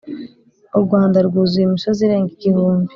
U Rwanda rwuzuye imisozi irenga igihumbi